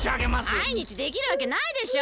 まいにちできるわけないでしょ。